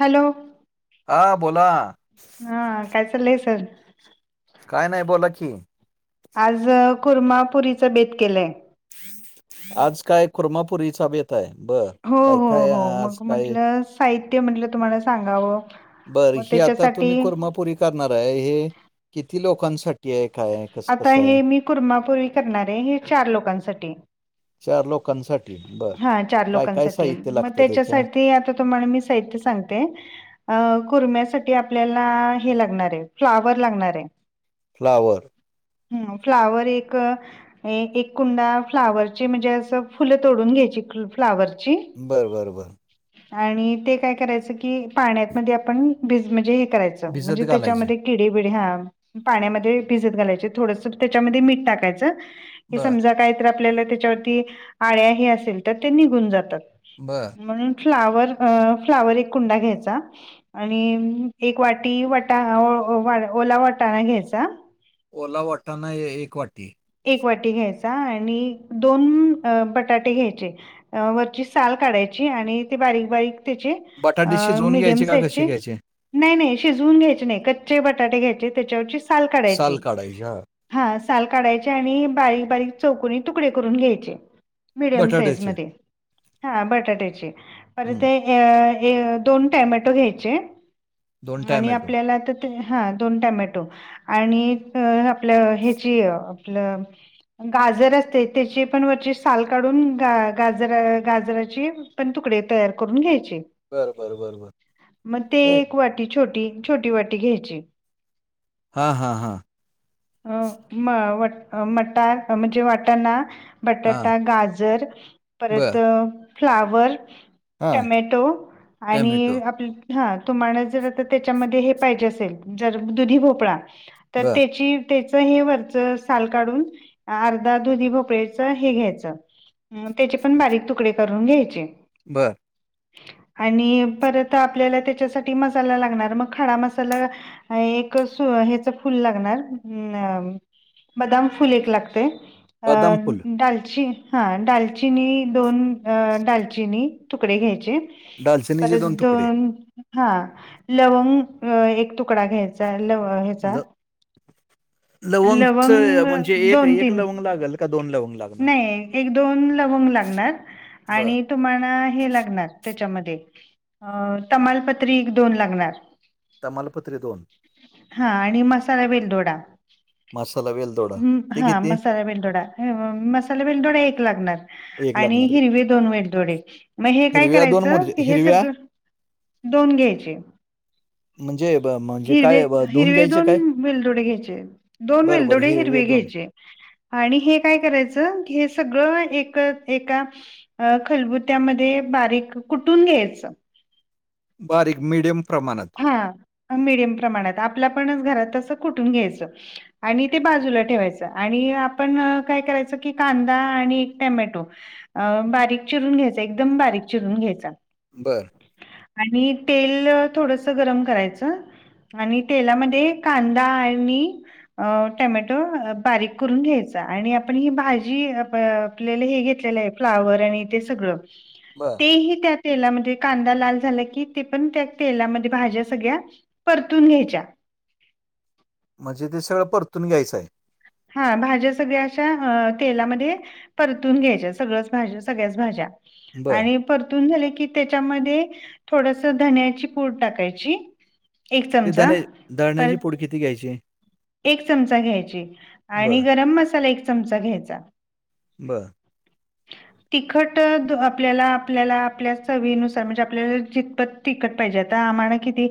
Hello, हा बोला. हं, काय चाललंय सर? काय नाही बोला की. आज खुर्मापुरीचा बेत केलंय. आज काय कुर्मापुरीचा बेत ताय? बरं. हो हो हो. मग म्हंटलं साहित्य म्हंटलं तुम्हाला सांगावं. बर. मग ही आता त्याच्यासाठी तुम्ही कुरमापुरी करणार आहे, हे किती लोकांसाठी आहे काय? कसं आता कसं आहे हे मी कुर्मापूर्वी करणार आहे हे चार लोकांसाठी. चार लोकांसाठी बर हा चार काय काय लोकांसाठी. साहित्य मग लागतं त्याचं त्याच्यासाठी आ ता तुम्हला मी साहित्य सांगते, अं, कुर्म्यासाठी आपल्याला हे लागणार आहे, फ्लावर लागणार आहे. फ्लावर, हं. फ्लावर एक एक एक कुंडा फ्लावरची, म्हणजे असं फुलं तोडून घ्यायची फ्लावरची. बरं बरं बरं. आणि ते काय करायचं की, पाण्यात मध्ये आपण भिज म्हणजे हे करायचं, च. भिजत म्हणजे घालायचे त्याच्यामध्ये किडे बिडे हा पाण्यामध्ये भिजत घालायच. थोडस त्याच्यामध्ये मीठ टाकायच. की बर समजा काय तर आपल्याला त्याच्या ती आळ्या हे असेल तर ते निघून जातात. बर. म्हणून फ्लावर अं फ्लावर एक कुंडा घ्यायचा. आणि एक वाटी वटा अ अ ओला वाटाणा घ्यायचा. ओला वाटाना हे एक वाटी. एक वाटी घ्यायचा आणि दोन बटाटे घ्यायचे. अ वरची साल काढायची आणि ते बारीक बारीक त्याचे बटाटे अ शिजवून मिडीयम घ्यायचे का कसे साईजचे घ्यायचे नाही नाही शिजवून घ्यायचे नाही. कच्चे बटाटे घ्यायचे त्याच्यावरची साल साल काढायची. काढायचे हा हा साल काढायचे आणि बारीक बारीक चौकनी तुकडे करून घ्यायचे. मीडयम साईज बटाट्याचे मध्ये. हा बटाट्याचे. परत हं. हे ए अ ए अ दोन टमॅटो घ्यायचे दोन आणि टॅमॅटो आपल्याला ते हा दोन टमॅटो आणि आपलं ह्याची आपलं गाजर असते त्याची पण वरची साल काढून ग गाजर गाजराची पण तुकडे तयार करून घ्यायचे. बर बर बर बर मग ते ए, एक वाटी छोटी टी छोटी वाटी घ्यायची. हा हा हा. अ म मटार म्हणजे वाटाना हां, बटाटा, गाजर परत बरं. फ्लावर हां. टमॅटो आणि टोमॅटो. आपली हा तुम्हाला जर आता त्याच्यामध्ये हे पाहिजे असेल, जर दुधी भोपळा, तर बरं. त्याची त्याचही वरच साल काढून अर्धा दुधी भोपळ्याचं हे घ्यायचं. अं त्याचे पण बारीक तुकडे करून घ्यायचे. बरं. आणि परत आपल्याला त्याच्यासाठी मसाला लागणार मग खडा मसाला, अ एक सु ह्याच फुल लागणार अ- बदाम फुल एक लागते अ बदाम फूल, डालची हा डालचीनी दोन, अ दडालचिनी तुकडे घ्यायचे दालचिनीचे परत तुकडे. दोन- हा लवंग एक तुकडा घ्यायचा लव ह्याचा, लवंगच लवंग म्हणजे एक दोन एक तीन लवंग लागल का दोन लवंग लागलं. नाही एक दोन लवंग लागणार बरं. आणि- तुम्हाला हे लागणार त्याच्यामध्ये तमालपत्री दोन लागणार. तमालपत्रीे दोन हा आणि मसाला वेलदोडा मसाला वेलदोडा. ते हा किती? मसाला वेलदोडा, मसाला वेलदोडा एक लागणार- आणि लागणार का? हिरवे दोन वेलदोडे मग हे काय हिरव्या करायचं मुरझ्या की हे हिरव्या सगळं, दोन घ्यायचे. म्हणजे म्हणजे हिरवे काय- धुवून हिरवे घ्यायचे दोन काय? वेलदोडे घ्यायचे दोन बरं, बरं. वेलदोडे हिरवे घ्यायचे. आणि हे काय करायचं हे सगळं एक एका- अ खलबुत्यामध्ये बारीक कुठून घ्यायचं. बारीक मिडीयम प्रमाणात. हा मिडियम प्रमाणात आपल्या आपणच घरात तसं कुठून घ्यायचं. आणि ते बाजूला ठेवायचं, आणि आपण काय करायचं की कांदा आणि एक टॅमॅटो. अ बारीक चिरून घ्यायचा एकदम बारीक चिरून घ्यायचा. बरं आणि तेल थोडस गरम करायचं. आणि तेलामध्ये कांदा आणि- अ टमॅटो बारीक करून घ्यायचा, आणि आपण ही भाजी- आपल्याला हे घेतलेलं आहे फ्लावर आणि ते सगळं, बर तेही त्या तेलामध्ये कांदा लाल झाला की ते पण त्या- तेलामध्ये भाज्या सगळ्या परतून घ्यायच्या. म्हणजे ते सगळं परतून घ्यायचंय. हा भाज्या सगळ्या अशा तेलामध्ये, परतून घ्यायच्या सगळंच भाज सगळ्याच भाज्या बरं. आणि- परतून झाले की त्याच्यामध्ये थोडस धन्याची पूड टाकायची. एक ते चमचा धने धण्याची परत पूड किती घ्यायची? एक चमचा घ्यायची, आणि बरं, गरम मसाला एक चमचा घ्यायचा. बरं. ह तिखट आपल्याला आपल्याला आपल्या चवीनुसार म्हणजे आपल्याला जितपत- तिकट पाहिजेता आम्हाला किती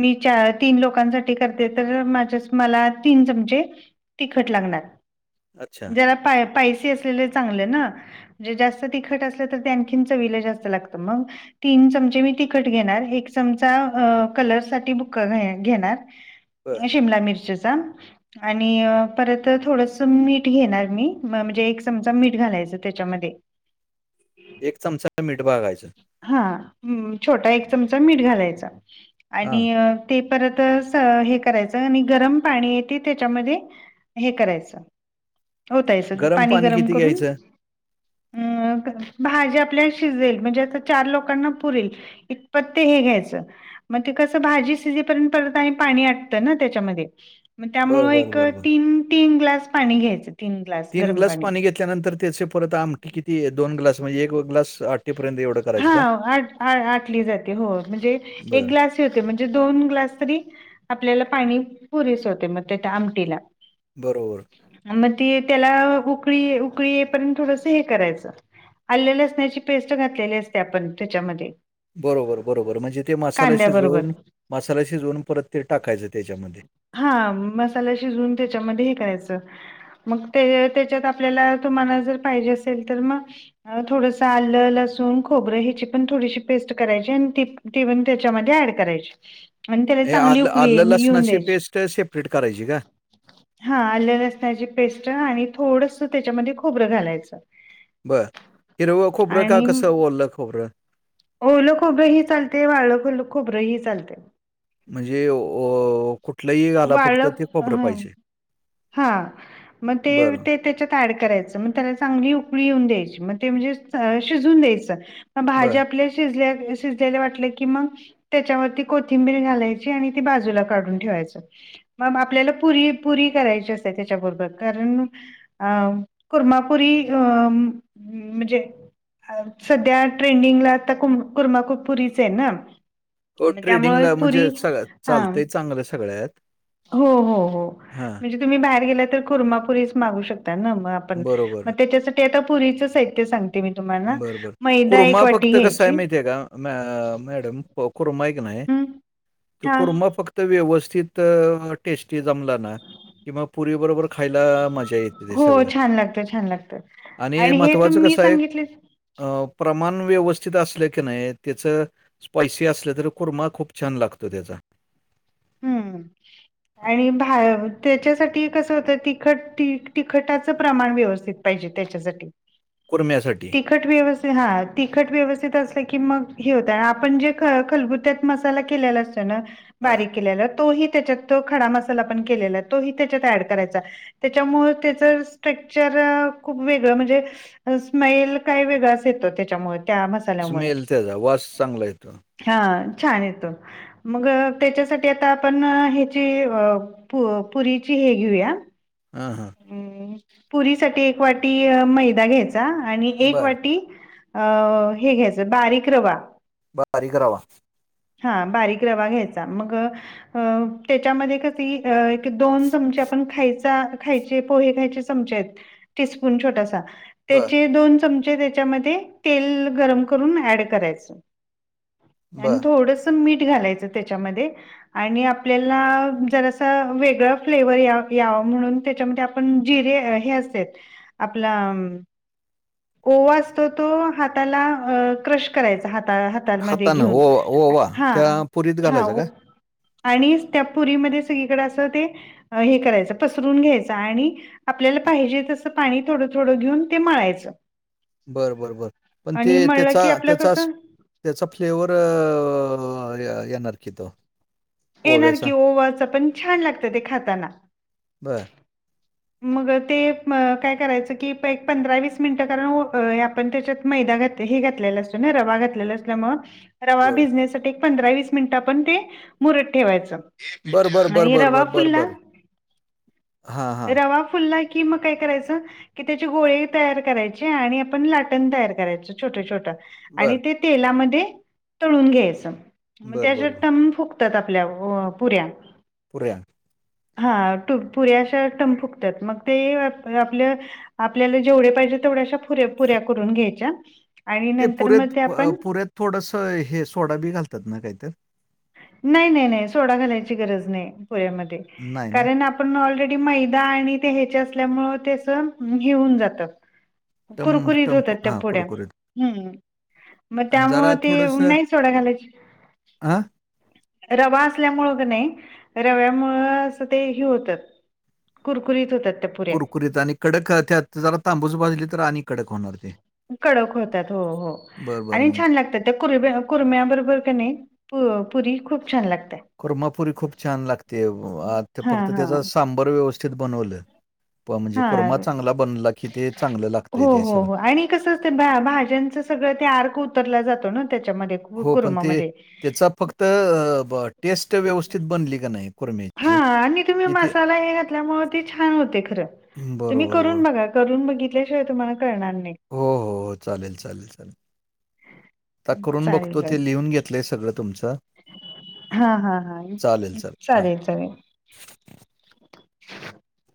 मी चार तीन लोकांसाठी करते तर माझ्या- मला तीन चमचे तिखट लागणार. अच्छा, पाय पायसी असलेले चांगले ना. म्हणजे जास्त तिखट असलं तर ते आणखीन चवीला जास्त लागतं मग, तीन चमचे मी तिखट घेणार एक चमचा कलर साठी बुका घेणार, बरं. शिमला मिर्चचा आणि परत थोडस मीठ घेणार मी, म्हणजे एक चमचा मीठ घालायचं त्यांच्यामध्ये - एक चमचा मीठ बघायचं. हा अ छोटा एक चमचा मीठ घालायचा हा आणि- ते परत हे करायचं आणि गरम पाणीये ते त्याच्यामध्ये- हे करायचं ओतरायचं पाणी गरम करून- अ भाजी आपल्या शिजेल. म्हणजे आता चार लोकांना पुरेल इतपत ते हे घ्यायचं. म ते कस भाजी शिजेपर्यंत परत आणि पाणी आटतं ना त्याच्यामध्ये. बर त्यामूळ बर एक बर बर तीन तीन ग्लास पाणी घ्यायचं तीन- तीन ग्लास पाणी घेतल्यानंतर त्याचे परत आमटी किती दोन ग्लास म्हणजे एक ग्लास आट- हा आ आटली जाते होय म्हणजे- बर तेच म्हणजे दोन ग्लास तरी आपल्याला पाणी पुरेस होते मग त्या त्या आमटीला. बरोबर. मग ते त्याला उकळी उकळी येई पर्यंत थोडस हे करायचं- आल्या लसण्याची पेस्ट घातलेली असते आपण त्याच्यामध्ये. बरोबर बरोबर म्हणजे ते मसाला कांद्याबरोबर शिजवून मसाला शिजवून परत ते टाकायचं त्याच्यामध्ये. हा मसाला शिजवून त्याच्यामध्ये हे करायचं. मग त्याच्या त्याच्यात आपल्याला तुम्हाला जर पाहिजे असेल तर मग थोडस आलं लसूण खोबरं हिची पण थोडीशी पेस्ट करायची आणि ती ती पण त्याच्यामध्ये ऍड करायची. आणि त्याला चांगली उकळी येऊन द्यायची. ते सेपरेट करायचीे का? हा आलं लसण्याची पेस्ट आणि थोडस त्याच्यामध्ये खोबरं घालायचं. बर हिरव खोबर का आणि कसं ओलं खोबरं? ओलं खोबरंही चालते वालं खोबरंही चालते. म्हणजे अ ओ कुठलंही घाला फक्त ते खबरं पाहिजे. हा मग ते बरं ते- त्याच्यात ॲड करायच म त्याला चांगली उकळी येऊन द्यायची म ते म्हणजे शिजून द्यायच. भाजी बरं आपल्या शिजल्या शिजल्याला वाटलं की मग. त्याच्यावरती कोथिंबीर घालायची आणि ती बाजूला काढून ठेवायचं. मग आपल्याला पुरी पुरी करायची असते त्याच्याबरोबर कारण- अ कुर्मापुरी अ म्हणजे- सध्या ट्रेंडिंगला आता कू कुर्मा कुरपुरीच आहे ना. हो मग त्यामुळे ट्रेडिंगला पुरी म्हणजे सग हां. चालतंय चांगलं सगळ्यात. हो हो हो हां. म्हणजे. तुम्ही बाहेर गेला तर कूर्मापुरी मागू शकता ना मग आपण मग बरोबर. त्याच्यासाठी- ते आता पुरीच साहित्य सांगते मी तुम्हाला बरं, बरं. मैदा एक कुर्मा वाटी फक्त घ्याय- कसा आहे माहिती आहे का मॅ मॅडम कुर्मा हाय क नाही हम्म तो हा कुर्मा फक्त व्यवस्थित- त टेस्टी जमला ना कि म पुरी बरोबर खायला मजा येत. हो छान लागत छान लागत आणि हे महत्वाचं तुम्ही मी कसं आहे सांगितले- अ प्रमाण व्यवस्थित असलं की नाही त्याचं. स्पायसी असल तर कुर्मा खूप छान लागतो त्याचा. हम्म. आणि भा त्याच्यासाठी कसं होतं तिखट तिखटाचं प्रमाण व्यवस्थित- पाहिजे त्याच्यासाठी. कुर्म्यासाठी. तिखट व्यवस्थित हा तिखट व्यवस्थित असलं की मग हे होतं आपण जे खलगुत्यात मसाला केलेला अस- हां. बारीक केलेला तोही त्याच्यात खडा मसाला पण केलेला तोही त्याच्यात ऍड करायचा- त्याच्यामुळे त्याचं स्ट्रक्चर खूप वेगळं म्हणजे- स्माईल काही वेगळाच येतो त्याच्यामुळे त्या म- स्मेल त्याचा वास चांगला येतो. हा छान येतो मग त्याच्यासाठी- ते आता आपण ह्याची पुरीची हे घेऊया. हा हा. अ पुरी साठी एक वाटी मैदा घ्यायचा आणि एक बरं. वाटी- अ हे घ्यायचं बारीक रवा. बारीक रवा. हा बारीक रवा घ्यायचा मग त्याच्यामध्ये किती - दोन चमचे आपण खायचा खायचे पोहे खायचे चमचे आहेत टीस्पून छोटासा- बरं, त्याचे दोन चमचे त्याच्यामध्ये तेल गरम करून ऍड करायचं. आणि बरं. थोडस मीठ घालायचं त्याच्यामध्ये आणि आपल्याला जरास वेगळ फ्लेवर या याव म्हणून त्याच्यामध्ये- ण जीरे अ हे असतय आपला- ओवा असतो तो हाताला क्रश करायचा हाता- हाता मध्ये हातानं घेऊन ओवा ओवा हा त्या पुरीत हा. घालायचा का? आणि त्या पुरीमध्ये सगळीकडे असं ते हे करायचं पसरून घ्यायचं आणि- आपल्याला पाहिजे तसं पाणी थोडं थोडं घेऊन ते मळायचं. बर बर बर पण आणि ते मळलं त्याचा की आपलं त्याचाच- कसं त्याचा फ्लेवर अ येणार की तो येणार की ओव्याचा? ओवच पण छान लागत ते खाताना. बरं. मग ते काय करायचं की एक पंधरा वीस मिनिटं कारण- आपण त्याच्यात मैदा घात हे घातले असतो ना रवा घातलेला असल्यामुळ- रवा बरं. भिजण्यासाठी पंधरा वीस मिनिटा पण ते मुरत ठेवायचं. बरं, बरं, बरं, आणि बरं, रवा बरं, बरं, फुलला. बरं. हां, हां. रवा फुलला कि मग काय करायचं. कि त्याचे गोळे तयार करायचे आणि आपण लाटण तयार करायचं छोट छोटं. आणि बरं, ते तेलामध्ये तळून घ्यायचं म ते बरं, असं बरं, बरं. टम फुग- फुगतात आपल्या पुऱ्या. पुऱ्या. हा पुऱ्या अशा टम फुकतात मग ते आपल. आपल्याला जेवढे पाहिजे तेवढ्याशा पुऱ्या पुऱ्या करून घ्यायच्या आणि नंतर म ते आपण. थोडस हे सोडा बी घालतात ना काहीतर. नाही नाही नाही सोडा घालायची गरज नाही पुऱ्यामध्ये नाही ना? कारण आप- पण ऑलरेडी मैदा आणि ते ह्याच्या असल्यामुळे ते अस हे होऊन जातं- टम्प कुरकुरीत टम्प होतात त्या हां, पुऱ्या कुरकुरीत हम्म- मग आणि त्यामूळ जरा ते नाही सोडा घालायच- आ- रवा असल्यामूळ का नाही रव्यामूळ अस ते हे होत- कुरकुरीत होतात त्या पू- कुरकुरीत आणि कडक त्यात जरा तांबूस भाजली तर आणि कडक होणार ते. कडक होतात हो हो बरं, बरं. आणि मग छान लागतात- ते कुर्म्या कुरम्या बरोबर का नाही पुरी खूप छान लागतं. कुर्मापुरी खूप छान लागते, ते हा फक्त हा त्याचा सांबर व्यवस्थित बनवलं- पण म्हणजे हा कोरमा चांगला बनला की ते चांगलं लागतंय ते सगळं. कस असत ते भाज्यांचं सगळं ते आर्क उतरला जातो ना त्यांच्यामध्ये. हो पण ते त्याचा फक्त टेस्ट व्यवस्थित बनली का नाही कुर्मीे- हा आणि तुम्ही मसाला हे घातल्यामुळे ते छान होते खरं बरोबर, तुम्ही बरोबर. करून बघा करून बघितल्याशिवाय तुम्हाला करणार नाही. हो हो हो चालेल चालेल चालेल. आता करून चालेल बघतो ते चालेल लिहून घेतलंय सगळं तुमचं. हा.. हा.. हा. चालेल, हां. चालेल, चालेल. [inaudible]